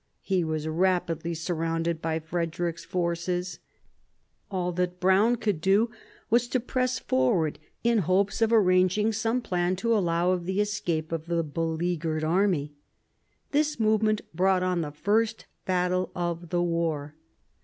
He was rapidly surrounded by Frederick's forces. All that Browne could do was to press forward in hopes of arranging some plan to allow of the escape of the beleaguered army. This movement brought on the first battle of the war.